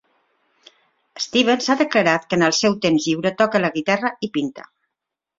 Stevens ha declarat que en el seu temps lliure toca la guitarra i pinta.